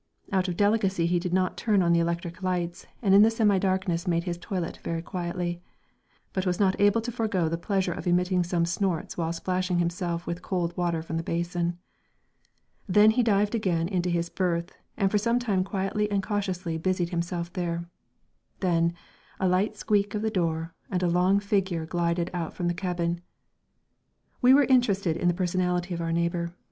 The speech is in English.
Out of delicacy he did not turn on the electric lights and in the semi darkness made his toilet very quietly, but was not able to forego the pleasure of emitting some snorts while splashing himself with cold water from the basin. Then he dived again into his berth and for some time quietly and cautiously busied himself there; then a light squeak of the door, and a long figure glided out from the cabin. We were interested in the personality of our neighbour.